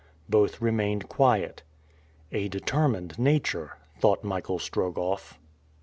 Both remained quiet. "A determined nature!" thought Michael Strogoff.